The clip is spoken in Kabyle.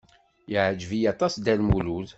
Yeɛjeb-iyi aṭas Dda Lmulud.